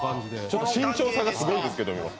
身長差がすごいですけど、今。